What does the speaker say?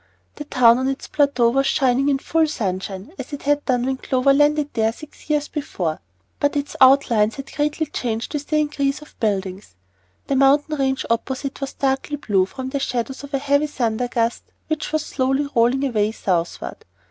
The town on its plateau was shining in full sunshine, as it had done when Clover landed there six years before, but its outlines had greatly changed with the increase of buildings. The mountain range opposite was darkly blue from the shadows of a heavy thunder gust which was slowly rolling away southward.